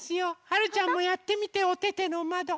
はるちゃんもやってみておててのまど。